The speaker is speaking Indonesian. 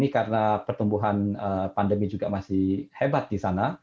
karena pertumbuhan pandemi masih hebat di sana